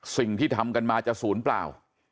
สิ่งที่ทำกันมาจะศูนย์เปล่า